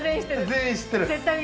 全員知ってる。